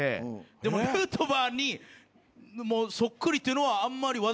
でもヌートバーにそっくりっていうのは。